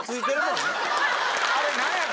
あれ何やろ？